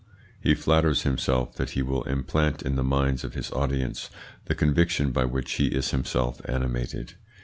"He flatters himself that he will implant in the minds of his audience the conviction by which he is himself animated.